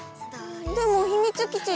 でも秘密基地に。